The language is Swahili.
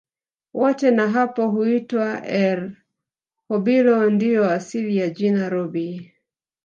Wote na hapo huitwa Erhobilo ndio asili ya jina Rhobi